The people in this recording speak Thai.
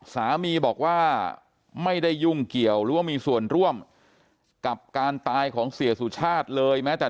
สามีบอกว่าไม่ได้ยุ่งเกี่ยวหรือว่ามีส่วนร่วมกับการตายของเสียสุชาติเลยแม้แต่